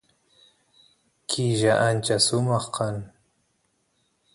killa ancha sumaq kan